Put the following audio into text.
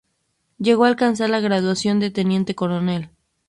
Llegó a alcanzar la graduación de teniente coronel.